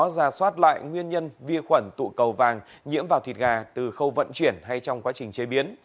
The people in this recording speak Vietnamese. giả soát lại nguyên nhân vi khuẩn tụ cầu vàng nhiễm vào thịt gà từ khâu vận chuyển hay trong quá trình chế biến